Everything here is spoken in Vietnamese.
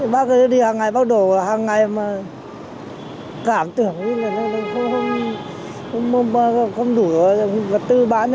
bác đi hàng ngày bác đổ hàng ngày mà cảm tưởng không đủ vật tư bán